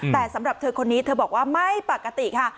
แต่สำหรับเธอคนนี้เธอบอกว่าไม่ปกติค่ะ